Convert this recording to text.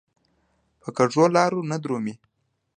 په کږو لارو نه درومي.